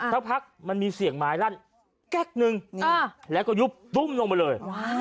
สักพักมันมีเสียงไม้ลั่นแก๊กนึงแล้วก็ยุบตุ้มลงไปเลย